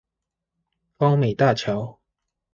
高美大橋